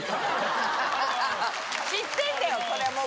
知ってんだよそれもう。